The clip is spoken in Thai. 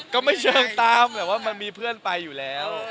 ก็ไม่เชิงตามแบบว่ามันมีเพื่อนไปอยู่แล้ว